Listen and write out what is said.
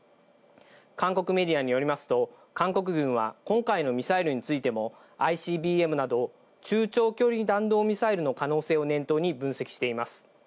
韓国メディアによりますと、韓国軍は今回のミサイルについても、ＩＣＢＭなど、中長距離弾道ミサイルの可能性を念頭に分析しています。